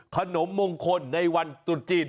ขนมมงคลในวันตรุษจีน